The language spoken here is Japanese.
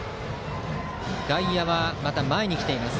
外野、また前に来ています。